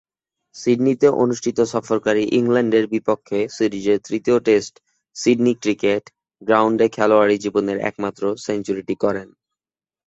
সিডনিতে অনুষ্ঠিত সফরকারী ইংল্যান্ডের বিপক্ষে সিরিজের তৃতীয় টেস্টে সিডনি ক্রিকেট গ্রাউন্ডে খেলোয়াড়ী জীবনের একমাত্র সেঞ্চুরিটি করেন।